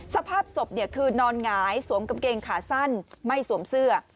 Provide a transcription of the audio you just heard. สภาพศพคือนอนหงายสวมกางเกงขาสั้นไม่สวมเสื้อ